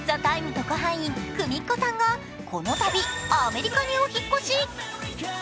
特派員くみっこさんがこのたび、アメリカにお引っ越し。